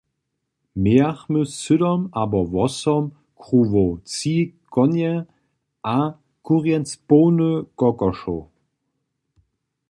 Mějachmy sydom abo wosom kruwow, tři konje a kurjenc połny kokošow.